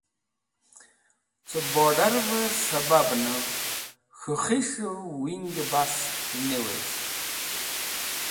Cẽ bord̃arvẽ sẽbabnẽv k̃hũ khis̃hv wingẽ bas ne wezg.